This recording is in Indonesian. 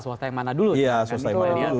swasta yang mana dulu ya swasta yang mana dulu